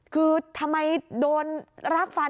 คือทำไมโดนรากฟัน